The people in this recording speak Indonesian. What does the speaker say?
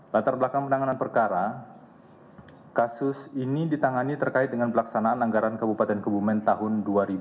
latar belakang penanganan perkara kasus ini ditangani terkait dengan pelaksanaan anggaran kabupaten kebumen tahun dua ribu dua puluh